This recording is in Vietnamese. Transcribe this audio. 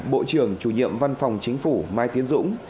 bộ trưởng chủ nhiệm văn phòng chính phủ mai tiến dũng